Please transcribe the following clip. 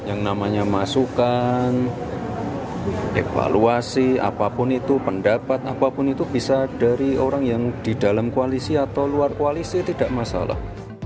yang namanya masukan evaluasi apapun itu pendapat apapun itu bisa dari orang yang di dalam koalisi atau luar koalisi tidak masalah